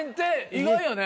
意外やね。